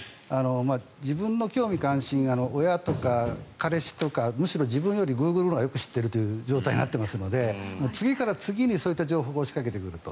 自分の興味関心、親とか彼氏とかむしろ自分よりグーグルのほうがよく知ってるという状態になってますので次から次にそういった情報が押しかけてくると。